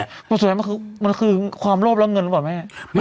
วันสุดยอดแม่มันคือมันคือความโลภรั่งเงินหรือเปล่าแม่